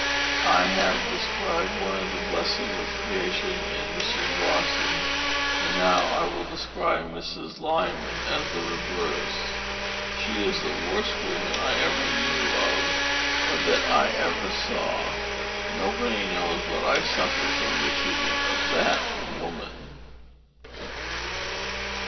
I have described one of the blessings of creation in Mrs. Rawson, and now I will describe Mrs. Lyman as the reverse: she is the worst woman I ever knew of or that I ever saw, nobody knows what I suffered from the treatment of that woman."